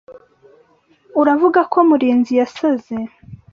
Uravuga ko Murinzi yasaze?